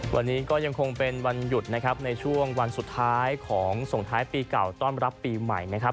วันนี้ก็ยังคงเป็นวันหยุดนะครับในช่วงวันสุดท้ายของส่งท้ายปีเก่าต้อนรับปีใหม่นะครับ